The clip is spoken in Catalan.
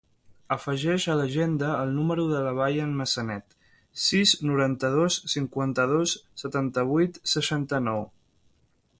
Afegeix a l'agenda el número de la Bayan Massanet: sis, noranta-dos, cinquanta-dos, setanta-vuit, seixanta-nou.